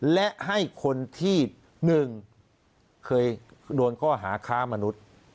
และให้คนที่๑เคยโดนข้อหาค้ามนุษย์